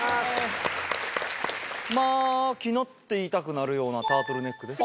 「まきの」って言いたくなるようなタートルネックです。